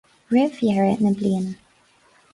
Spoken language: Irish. Roimh dheireadh na bliana.